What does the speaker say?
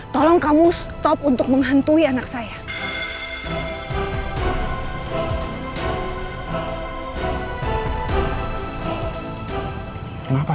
tolong kamu berhenti menghantui anak saya